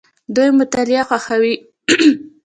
دوی مطالعه خوښوي.